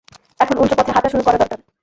এখন উল্টো পথে হাঁটা শুরু করা দরকার।